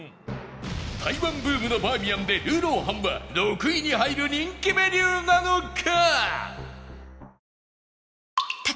台湾ブームのバーミヤンでルーロー飯は６位に入る人気メニューなのか？